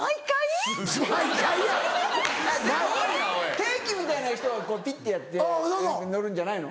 定期みたいない人はピッてやって乗るんじゃないの？